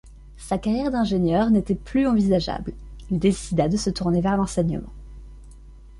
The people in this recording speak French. Sa carrière d'ingénieur n'était plus envisageable, il décida de se tourner vers l'enseignement.